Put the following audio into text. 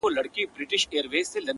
• چي طوطي ګنجي ته وکتل ګویا سو,